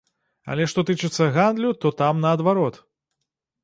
Але што тычыцца гандлю, то там наадварот.